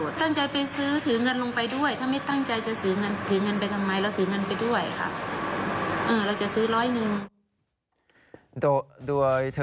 ตั้งใจไปซื้อถือเงินลงไปด้วยถ้าไม่ตั้งใจจะถือเงินไปทำไมเราถือเงินไปด้วยค่ะ